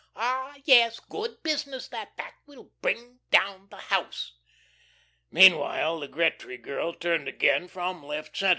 "Ah, yes, good business that. That will bring down the house." Meanwhile the Gretry girl turned again from left centre.